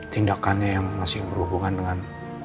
tindakannya yang masih berhubungan dengan